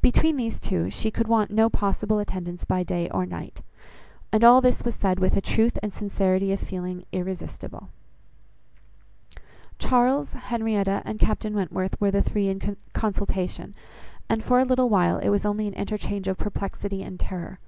Between these two, she could want no possible attendance by day or night. And all this was said with a truth and sincerity of feeling irresistible. Charles, Henrietta, and Captain Wentworth were the three in consultation, and for a little while it was only an interchange of perplexity and terror.